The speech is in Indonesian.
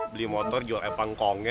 beli motor jual epangkongnya